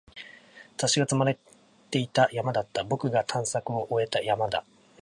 雑誌が積まれていた山だった。僕が探索を終えた山だ。